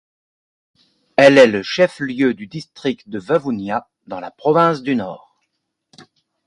Elle est le chef-lieu du district de Vavuniya dans la Province du Nord.